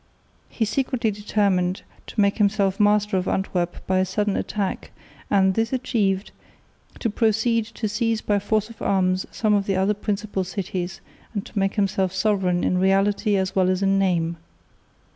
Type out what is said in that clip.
He secretly determined to make himself master of Antwerp by a sudden attack and, this achieved, to proceed to seize by force of arms some of the other principal cities and to make himself sovereign in reality as well as in name.